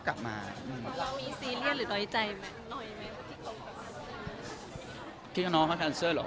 กลับมาถ่ายราคาด้วยกันก็กลับมา